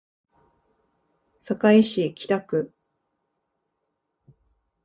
堺市北区